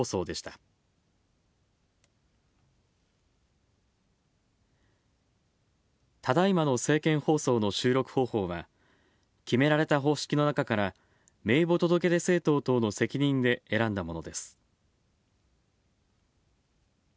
ただいまの政見放送の収録方法は、決められた方式の中から名簿届出政党等の責任で選んだものです。